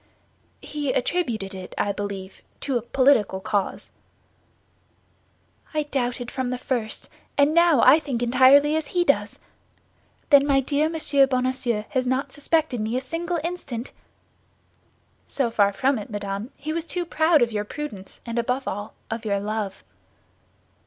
"He attributed it, I believe, to a political cause." "I doubted from the first; and now I think entirely as he does. Then my dear Monsieur Bonacieux has not suspected me a single instant?" "So far from it, madame, he was too proud of your prudence, and above all, of your love."